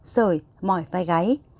sởi mỏi vai gáy